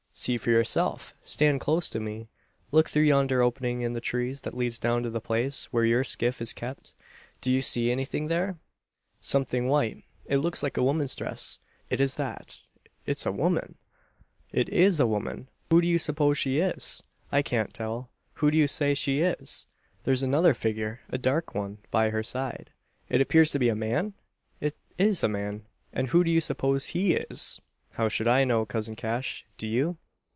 "See for yourself! Stand close to me! Look through yonder opening in the trees that leads down to the place where your skiff is kept. Do you see anything there?" "Something white. It looks like a woman's dress. It is that. It's a woman!" "It is a woman. Who do you suppose she is?" "I can't tell. Who do you say she is?" "There's another figure a dark one by her side." "It appears to be a man? It is a man!" "And who do you suppose he is?" "How should I know, cousin Cash? Do you?"